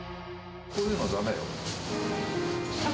こういうのだめよ。